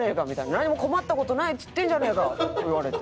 「何も困った事ないっつってんじゃねえかよ」って言われて。